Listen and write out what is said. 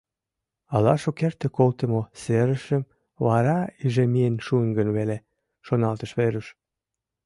«Ала шукерте колтымо серышем вара иже миен шуын гын веле», — шоналтыш Веруш.